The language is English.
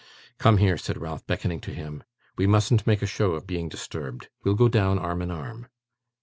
'Come here,' said Ralph, beckoning to him. 'We mustn't make a show of being disturbed. We'll go down arm in arm.